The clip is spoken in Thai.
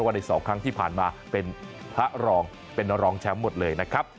ใน๒ครั้งที่ผ่านมาเป็นพระรองเป็นรองแชมป์หมดเลยนะครับ